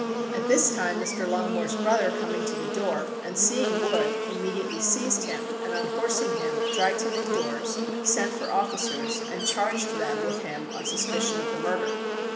At this time Mr. Longmore's brother coming to the door, and seeing Wood, immediately seized him, and unhorseing him, dragged him indoors, sent for officers and charged them with him on suspicion of the murder.